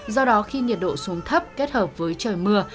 do đó khi nhiệt độ xuống thấp kết hợp với trời mưa